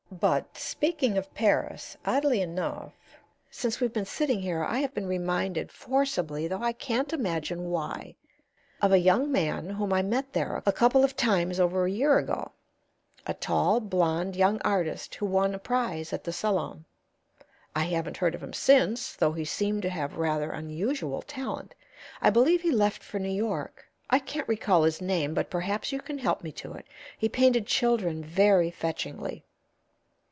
"But, speaking of Paris, oddly enough, since we've been sitting here I have been reminded forcibly, though I can't imagine why, of a young man whom I met there a couple of times over a year ago a tall, blond young artist who won a prize at the Salon. I haven't heard of him since, though he seemed to have rather unusual talent. I believe he left for New York. I can't recall his name, but perhaps you can help me to it. He painted children very fetchingly."